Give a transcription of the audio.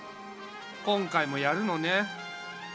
今回もやるのね。